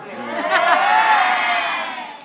เย้